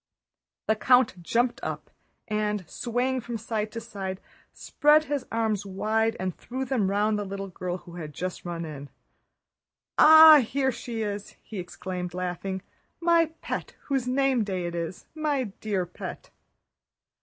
The count jumped up and, swaying from side to side, spread his arms wide and threw them round the little girl who had run in. "Ah, here she is!" he exclaimed laughing. "My pet, whose name day it is. My dear pet!"